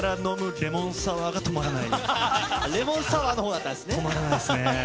レモンサワーのほうだったん止まらないですね。